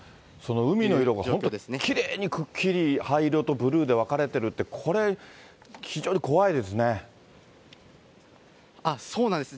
海の色も本当、きれいにくっきり灰色とブルーで分かれてるって、これ、非常に怖そうなんです。